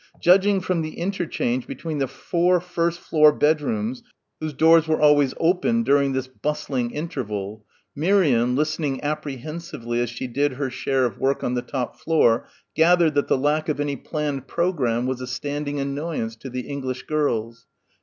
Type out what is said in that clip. Judging from the interchange between the four first floor bedrooms whose doors were always open during this bustling interval, Miriam, listening apprehensively as she did her share of work on the top floor, gathered that the lack of any planned programme was a standing annoyance to the English girls.